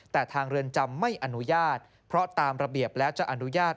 แต่ทางเรือนจำไม่อนุญาตเพราะตามระเบียบแล้วจะอนุญาต